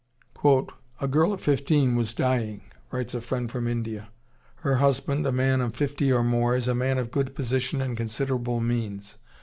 ] "A girl of fifteen was dying," writes a friend from India. "Her husband, a man of fifty or more, is a man of good position and considerable means.